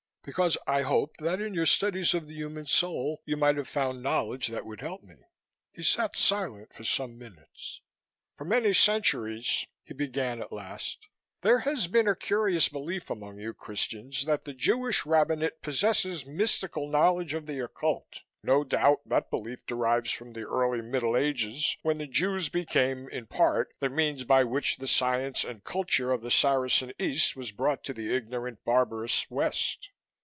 "Because I hoped that in your studies of the human soul, you might have found knowledge that would help me." He sat silent for some minutes. "For many centuries," he began at last, "there has been a curious belief among you Christians that the Jewish rabbinate possesses mystic knowledge of the occult. No doubt that belief derives from the early Middle Ages when the Jews became in part the means by which the science and culture of the Saracen East was brought to the ignorant barbarous West.